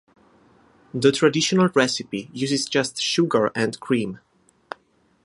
The traditional recipe uses just sugar and cream.